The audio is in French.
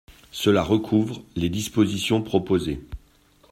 Cela recouvre les dispositions proposées.